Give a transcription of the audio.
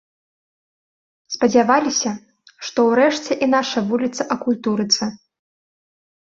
Спадзяваліся, што ўрэшце і наша вуліца акультурыцца.